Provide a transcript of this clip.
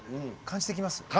感じてきます。